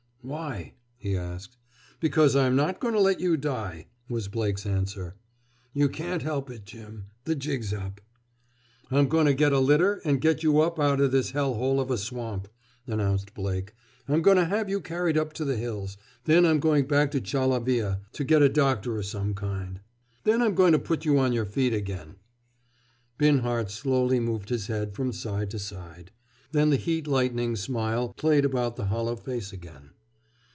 "Why?" he asked. "Because I'm not going to let you die," was Blake's answer. "You can't help it, Jim! The jig's up!" "I'm going to get a litter and get you up out o' this hell hole of a swamp," announced Blake. "I'm going to have you carried up to the hills. Then I'm going back to Chalavia to get a doctor o' some kind. Then I'm going to put you on your feet again!" Binhart slowly moved his head from side to side. Then the heat lightning smile played about the hollow face again.